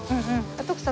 徳さん